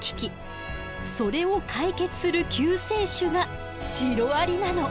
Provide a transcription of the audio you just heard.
それを解決する救世主がシロアリなの！